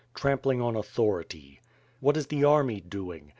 Trampling on authority. What is the army doing?